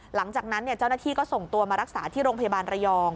หลังจากนั้นเจ้าหน้าที่ก็ส่งตัวมารักษาที่โรงพยาบาลระยอง